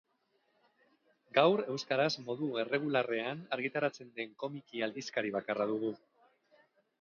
Gaur euskaraz modu erregularrean argitaratzen den komiki-aldizkari bakarra dugu.